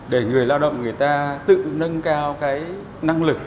để người lao động người ta tự nâng cao cái năng lực